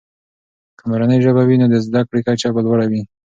که مورنۍ ژبه وي، نو د زده کړې کچه به لوړه وي.